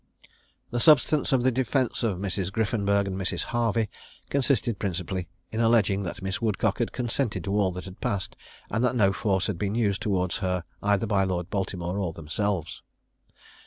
The substance of the defence of Mrs. Griffenburg and Mrs. Harvey consisted principally in alleging that Miss Woodcock had consented to all that had passed, and that no force had been used towards her either by Lord Baltimore or themselves.